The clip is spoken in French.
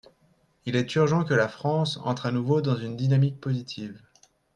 Il est urgent que la France entre à nouveau dans une dynamique positive.